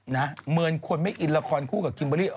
เหมือนคนไม่อินละครคู่กับคิมเบอร์รี่